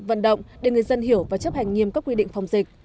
vận động để người dân hiểu và chấp hành nghiêm các quy định phòng dịch